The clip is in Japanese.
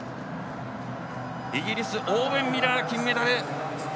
イギリスのオーウェン・ミラー金メダル。